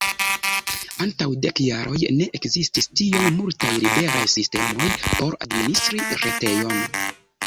Antaŭ dek jaroj ne ekzistis tiom multaj liberaj sistemoj por administri retejon.